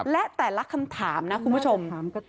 และแต่ละคำถามนะคุณผู้ชม